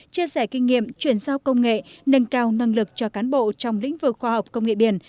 chia sẻ kinh nghiệm chuyển giao công nghệ nâng cao năng lực cho cán bộ trong lĩnh vực khoa học công nghệ biển